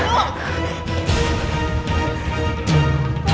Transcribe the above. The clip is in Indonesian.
aku gak bisa menjadi manusia